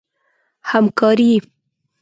همکاري